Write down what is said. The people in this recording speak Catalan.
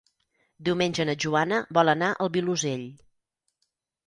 Diumenge na Joana vol anar al Vilosell.